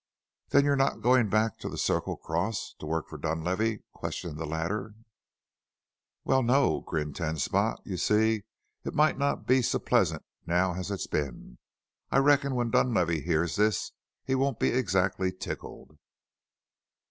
"Then you're not going back to the Circle Cross to work for Dunlavey?" questioned the latter. "Well, no," grinned Ten Spot. "You see, it might not be so pleasant now as it's been. I reckon when Dunlavey hears this he won't be exactly tickled."